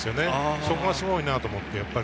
そこがすごいなと思って。